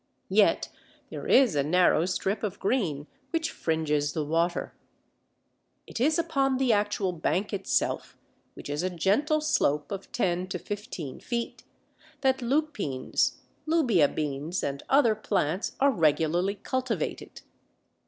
Yet there is a narrow strip of green which fringes the water. It is upon the actual bank itself, which is a gentle slope of ten to fifteen feet, that Lupines, Lubia beans, and other plants are regularly cultivated.